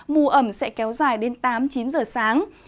mù ẩm sẽ kéo dài đến tám chín giờ sáng